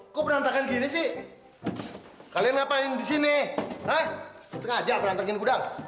loh kok perantakan gini sih kalian ngapain di sini hah sengaja perantakin gudang